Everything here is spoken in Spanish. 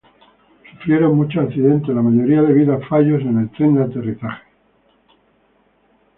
Sufrieron muchos accidentes, la mayoría debido a fallos en el tren de aterrizaje.